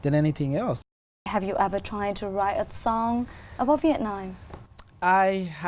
người ta thích